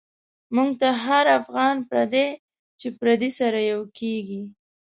موږ ته هر افغان پردی، چی پردی سره یو کیږی